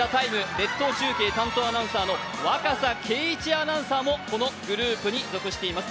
列島中継の若狭敬一アナウンサーもこのグループに属しています。